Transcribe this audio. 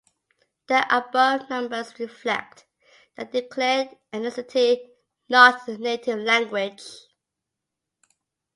The above numbers reflect the declared ethnicity, not the native language.